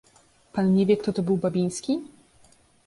"„Pan nie wie, kto to był Babiński?"